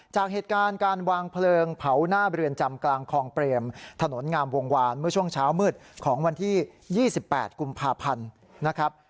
จากเหตุการณ์การวางเพลิงเผาหน้าเรือนจำกลางคลองเปรมถนนงามวงวานเมื่อช่วงเช้ามืดของวันที่๒๘กุมภาพันธ์นะครับ